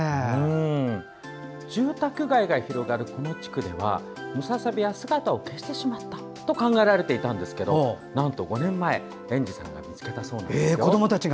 住宅街が広がる、この地区ではムササビは姿を消してしまったと考えられていたんですけれどもなんと５年前、園児さんが見つけたそうなんですよ。